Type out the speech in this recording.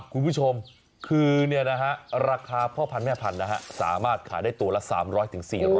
คุณผู้ชมคือราคาพ่อพันธุแม่พันธุ์สามารถขายได้ตัวละ๓๐๐๔๐๐